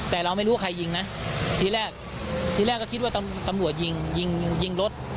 แต่เราไม่รู้ว่าใครยิงนะทีแรกทีแรกก็คิดว่าตำรวจยิงยิงรถ